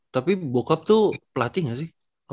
tapi bokap tuh pelatih nggak sih